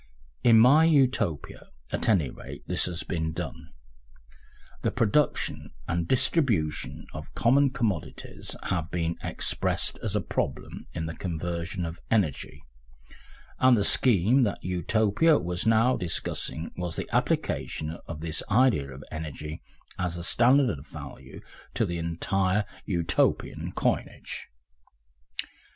In my Utopia, at any rate, this has been done, the production and distribution of common commodities have been expressed as a problem in the conversion of energy, and the scheme that Utopia was now discussing was the application of this idea of energy as the standard of value to the entire Utopian coinage.